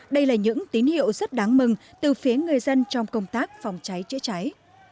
đây là những tín hiệu rất đáng mừng từ phía người dân trong công tác phòng cháy chữa cháy